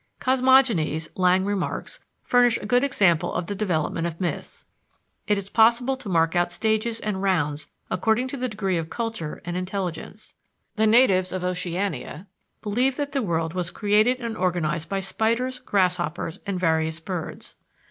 Cosmogonies, Lang remarks, furnish a good example of the development of myths; it is possible to mark out stages and rounds according to the degree of culture and intelligence. The natives of Oceania believe that the world was created and organized by spiders, grasshoppers, and various birds.